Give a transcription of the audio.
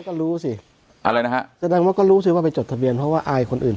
ก็รู้สิอะไรนะฮะแสดงว่าก็รู้สิว่าไปจดทะเบียนเพราะว่าอายคนอื่น